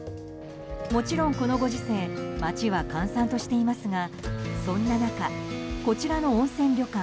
もちろん、このご時世街は閑散としていますがそんな中、こちらの温泉旅館